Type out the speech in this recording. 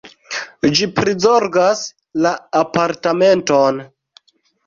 Ĝi prizorgas la apartamenton.